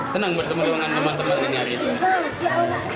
senang bertemu dengan teman teman hari ini